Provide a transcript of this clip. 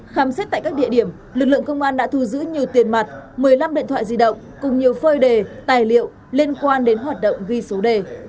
khám xét tại các địa điểm lực lượng công an đã thu giữ nhiều tiền mặt một mươi năm điện thoại di động cùng nhiều phơi đề tài liệu liên quan đến hoạt động ghi số đề